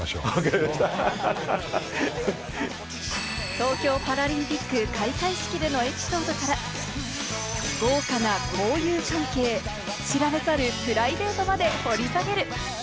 東京パラリンピック開会式でのエピソードから豪華な交友関係、知られざるプライベートまで掘り下げる！